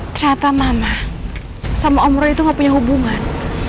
ternyata mama sama om roro itu gak punya hubungan